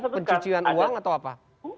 pencucian uang atau apa